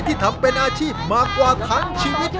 ที่ทำเป็นอาชีพมากว่าทั้งชีวิต